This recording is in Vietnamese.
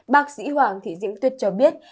bác sĩ hoàng thị diễm tuyết cho biết